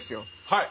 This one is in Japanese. はい。